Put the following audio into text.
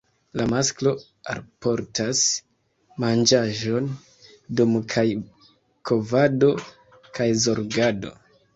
La masklo alportas manĝaĵon dum kaj kovado kaj zorgado.